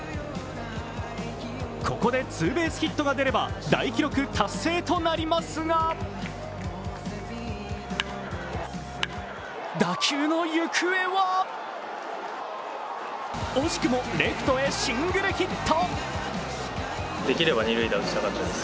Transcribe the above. ここでツーベースヒットが出れば大記録達成となりますが打球の行方は惜しくもレフトへシングルヒット。